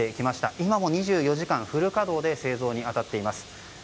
今も２４時間フル稼働で製造に当たっています。